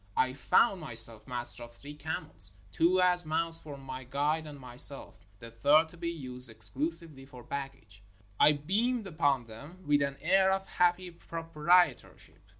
I found myself master of three camels — two as mounts for my guide and myself, the third to be used exclusively for baggage. I beamed upon them with an air of happy proprietorship.